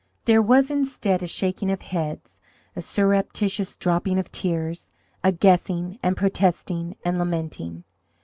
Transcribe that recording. There was, instead, a shaking of heads, a surreptitious dropping of tears, a guessing and protesting and lamenting.